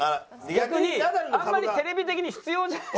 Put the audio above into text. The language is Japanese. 逆にあんまりテレビ的に必要じゃない。